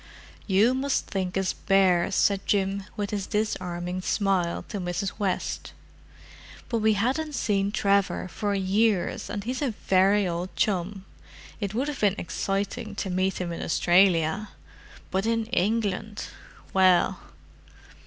"You must think us bears," said Jim, with his disarming smile, to Mrs. West. "But we hadn't seen Trevor for years, and he's a very old chum. It would have been exciting to meet him in Australia; but in England—well!"